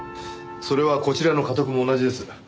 それはこちらのかとくも同じです。